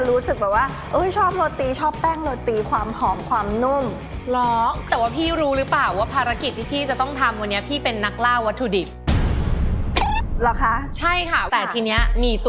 รับเชิญของเราในวันนี้พี่เอ๋มันนีรับค่ะ